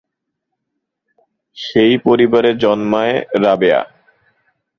সেই পরিবারে জন্মায় রাবেয়া।